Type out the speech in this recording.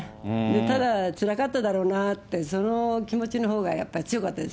ただ、つらかっただろうなって、その気持ちのほうがやっぱり強かったです。